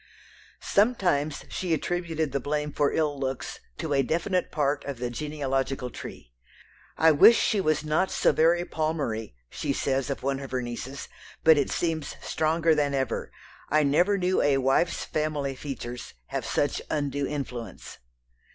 Sometimes she attributed the blame for ill looks to a definite part of the genealogical tree. "I wish she was not so very Palmery," she says of one of her nieces, "but it seems stronger than ever, I never knew a wife's family features have such undue influence."